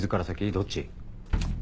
どっち？